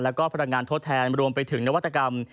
แล้วก็พลังงานทดแทนรวมไปถึงนวัตกรรม